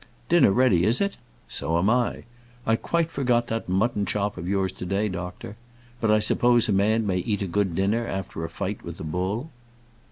Dinner ready, is it? So am I. I quite forgot that mutton chop of yours to day, doctor. But I suppose a man may eat a good dinner after a fight with a bull?"